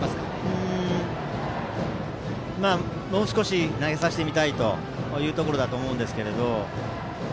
もう少し投げさせてみたいというところだと思うんですが。